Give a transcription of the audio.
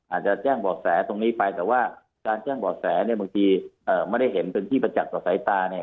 อาจจะแจ้งบ่อแสตรงนี้ไปแต่ว่าการแจ้งบ่อแสเนี่ยบางทีไม่ได้เห็นเป็นที่ประจักษ์ต่อสายตาเนี่ย